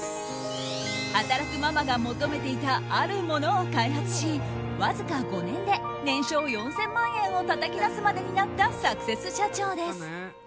働くママが求めていたあるものを開発しわずか５年で年商４０００万円をたたき出すまでになったサクセス社長です。